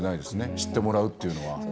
知ってもらうというのは。